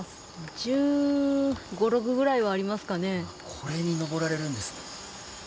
これに登られるんですね。